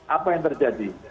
apa yang terjadi